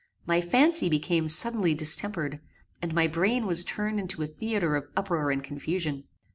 My fancy became suddenly distempered, and my brain was turned into a theatre of uproar and confusion.